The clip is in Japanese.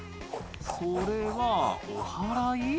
それはおはらい？